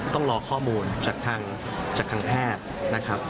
ต้องรอข้อมูลจากทางแพทย์